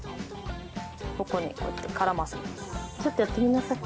ここにこうやって絡ませます。